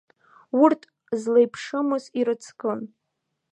Урҭ злеиԥшымыз ирыцкын…